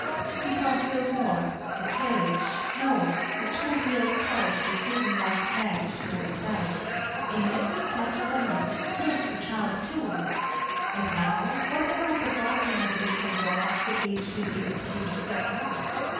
He saw still more: a carriage, no, a two wheeled cart was driven like mad toward the dike; in it sat a woman yes, a child too. And now was that not the barking of a little dog that reached his ears through the storm?